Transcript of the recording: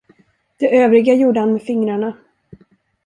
Det övriga gjorde han med fingrarna.